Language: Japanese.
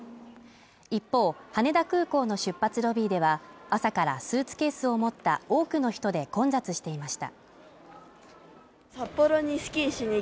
一方、羽田空港の出発ロビーでは朝からスーツケースを持った多くの人で混雑していました。